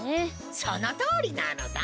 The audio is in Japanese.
そのとおりなのだ！